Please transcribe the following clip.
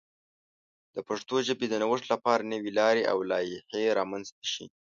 د پښتو ژبې د نوښت لپاره نوې لارې او لایحې رامنځته شي.